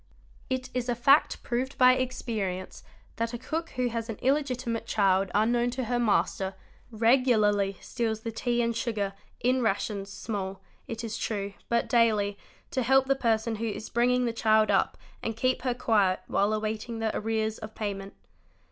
It is a fact proved by experience that a cook who has an illegiti mate child unknown to her master, regularly steals the tea and sugar, in rations, small, it is true, but daily, to help the person who is bringing ;; the child up and keep her quiet while awaiting the arrears of payment.